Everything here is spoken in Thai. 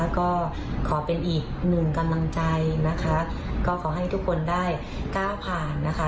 ก็ขอเป็นอีกหนึ่งกำลังใจนะคะก็ขอให้ทุกคนได้ก้าวผ่านนะคะ